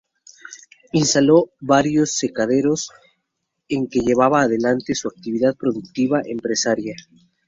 Instaló varios secaderos en que llevaba adelante su actividad productiva empresaria.